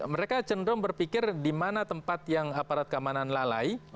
mereka cenderung berpikir di mana tempat yang aparat keamanan lalai